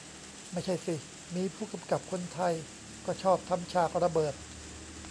ไม่ใช่สิ มีผู้กำกับคนไทยก็ชอบทำฉากระเบิด